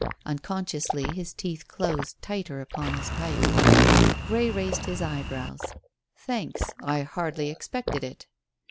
Unconsciously his teeth closed tighter upon his pipe. Grey raised his eyebrows. "Thanks. I hardly expected it."